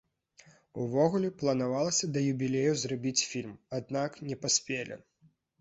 Увогуле, планавалася да юбілею зрабіць фільм, аднак не паспелі.